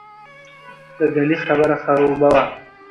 دګنې خبره خروبه وه.